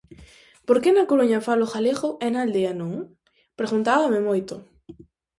Por que na Coruña falo galego, e na aldea non?, preguntábame moito.